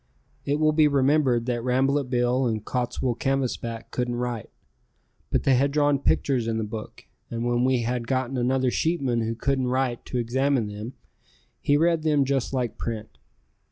It will be remembered that Rambolet Bill and Cottswool Canvasback couldn't write, but they had drawn pictures in the book, and when we had gotten another sheepman who couldn't write to examine them he read them just like print.